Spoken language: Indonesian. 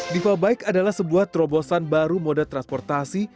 diva bike adalah sebuah terobosan baru moda transportasi